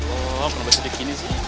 oh kenapa sedikit gini sih